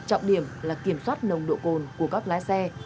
trọng điểm là kiểm soát nồng độ cồn của các lái xe